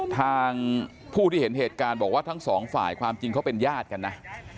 ทางผู้ที่เห็นเหตุการณ์บอกว่าทั้งสองฝ่ายความจริงเขาเป็นญาติกันนะ